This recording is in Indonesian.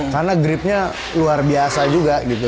karena gripnya luar biasa juga gitu